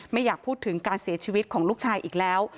ไม่อยากพูดถึงการเสียชีวิตของลูกชายอีกแล้ว